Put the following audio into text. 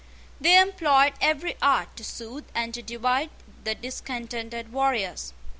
They employed every art to soothe and to divide the discontented warriors.